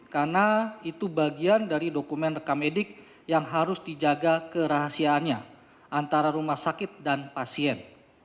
karena itu bagian dari dokumen rekamedik yang harus dijaga kerahasiaannya antara rumah sakit dan pasien